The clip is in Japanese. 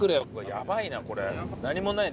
やばいなこれ。